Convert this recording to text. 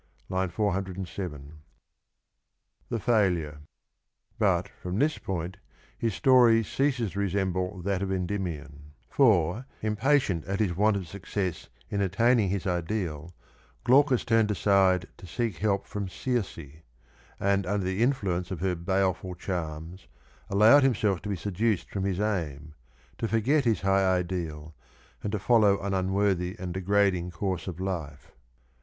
(III. 407) But from this point his story ceases to resemble that of^^* '*'^"''' Endymion, for, impatient at his want of success in attain ing his ideal, Glaucus turned aside to seek help from Circe, and under the influence of her baleful charms allowed himself to be seduced from his aim, to forget his high ideal, and to follow an unworthy and degrading course of life.